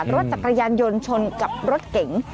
รถจักรยานยนต์ชนกับรถเก๋ง